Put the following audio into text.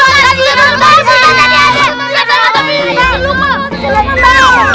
ustadz tadi ada